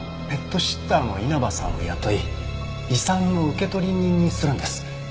ペットシッターの稲葉さんを雇い遺産の受取人にするんです。